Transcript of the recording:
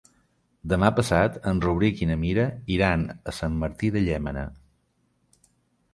Demà passat en Rauric i na Mira iran a Sant Martí de Llémena.